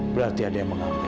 berarti ada yang mengambilnya